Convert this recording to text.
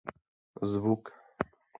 Zvuk